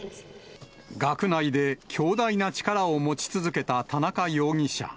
学内で強大な力を持ち続けた田中容疑者。